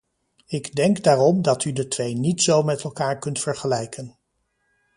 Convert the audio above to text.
Ik denk daarom dat u de twee niet zo met elkaar kunt vergelijken.